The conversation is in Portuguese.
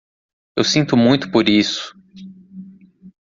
Eu sinto muito por isso.